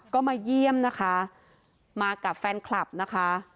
ก็มาเยี่ยมนะคะมากับแฟนคลับนะคะ